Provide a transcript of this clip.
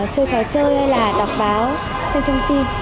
chơi trò chơi hay là đọc báo xem thông tin